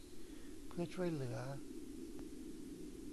เพื่อช่วยเหลือ